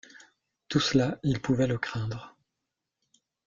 Tout cela, ils pouvaient le craindre.